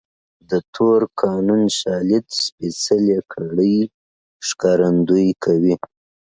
د تور قانون شالید سپېڅلې کړۍ ښکارندويي کوي.